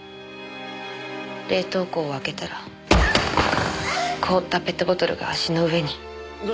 冷凍庫を開けたら凍ったペットボトルが足の上に。